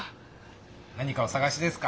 何かおさがしですか？